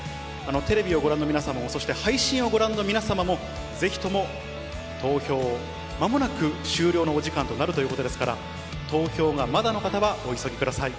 テレビをご覧の皆様も、そして配信をご覧の皆様も、ぜひとも投票、まもなく終了のお時間となるということですから、投票がまだの方はお急ぎください。